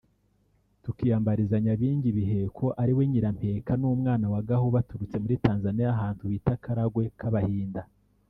tukiyambariza Nyabingi Biheko ari we Nyirampeka n’umwana we Gahu baturutse muri Tanzaniya ahantu bita Karagwe k’abahinda